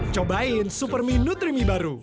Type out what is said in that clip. cobain supermi nutrimi baru